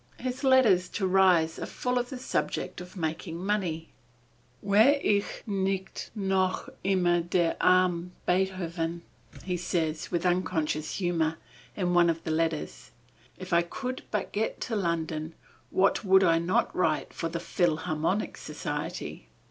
His letters to Ries are full of the subject of making money. "Wäre ich nicht noch immer der arme Beethoven," he says with unconscious humor, in one of the letters. "If I could but get to London, what would I not write for the Philharmonic Society.